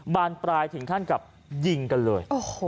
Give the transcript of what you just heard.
บานปลายถึงขั้นกับยิงกันเลย